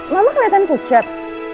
mama keliatan pucet